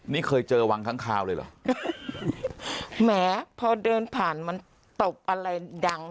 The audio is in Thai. นี่เคยเจอวังข้างคาวเลยเหรอแหมพอเดินผ่านมันตบอะไรดัง